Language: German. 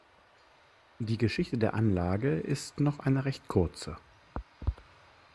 Die Geschichte der Anlage ist noch eine recht kurze.